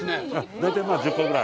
大体１０個ぐらい。